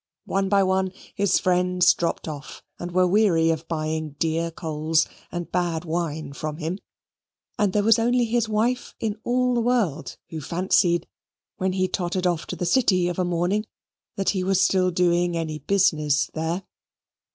One by one his friends dropped off, and were weary of buying dear coals and bad wine from him; and there was only his wife in all the world who fancied, when he tottered off to the City of a morning, that he was still doing any business there.